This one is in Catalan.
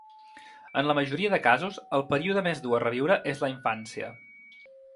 En la majoria de casos, el període més dur a reviure és la infància.